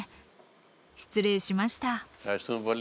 失礼しました。